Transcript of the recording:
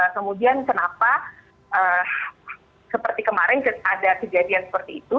kemudian kenapa seperti kemarin ada kejadian seperti itu